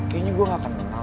kayaknya gue gak akan kenal